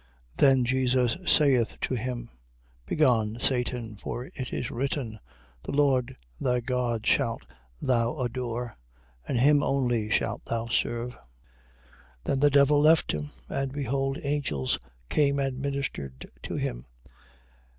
4:10. Then Jesus saith to him: Begone, Satan: for it is written: The Lord thy God shalt thou adore, and him only shalt thou serve. 4:11. Then the devil left him; and behold angels came and ministered to him.